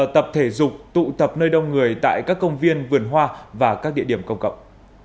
tập thể dục tụ tập nơi đông người tại các công viên vườn hoa và các địa điểm công cộng